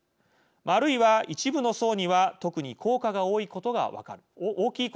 あるいは一部の層には特に効果が大きいことが分かる。